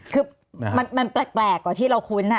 คือมันแปลกกว่าที่เราคุ้น